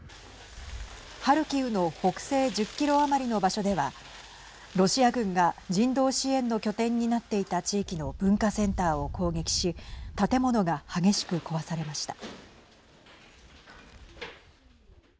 ハルキウの北西１０キロ余りの場所ではロシア軍が人道支援の拠点になっていた地域の文化センターを攻撃し建物が激しく壊されました。